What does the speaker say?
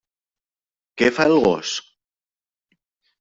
Què fa el gos?